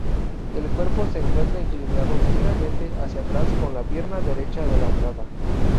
El cuerpo se encuentra inclinado ligeramente hacia atrás con la pierna derecha adelantada.